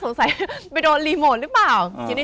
สงสัยไปโดนรีโมทรึเปล่า